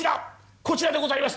こちらでございます！